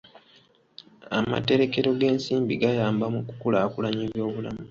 Amaterekero g'ensimbi gayamba mu kukulaakulanya eby'obulamu.